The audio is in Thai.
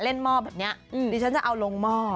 หม้อแบบนี้ดิฉันจะเอาลงหม้อ